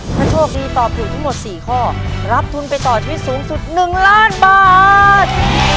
ถ้าโชคดีตอบถูกทั้งหมด๔ข้อรับทุนไปต่อชีวิตสูงสุด๑ล้านบาท